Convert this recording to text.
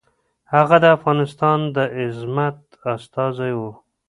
هغه د افغانستان د عظمت استازی و.